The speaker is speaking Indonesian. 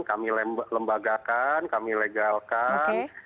kami lembagakan kami legalkan